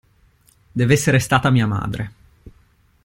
Dev'essere stata mia madre.